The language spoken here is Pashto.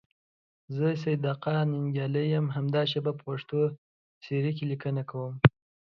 زه سیدآقا ننگیال یم، همدا شیبه په پښتو سیرې کې لیکنه کوم.